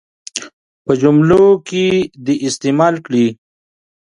په جملو کې دې یې استعمال کړي.